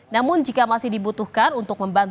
namun jika masih dibutuhkan untuk membantu